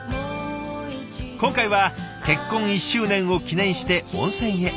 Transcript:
今回は結婚１周年を記念して温泉へ。